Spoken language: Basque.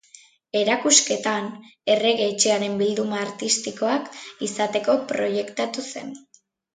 Erakusketan, Errege Etxearen Bilduma Artistikoak izateko proiektatu zen.